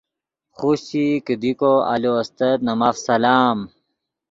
خوشچئی کیدی دی کو آلو استت نے ماف سلام۔